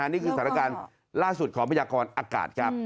นี่คือสถานการณ์ล่าสุดของพยากรอากาศครับ